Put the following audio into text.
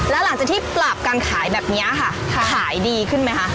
แล้วหลังจากที่ปราบการขายแบบนี้ค่ะขายดีขึ้นไหมคะ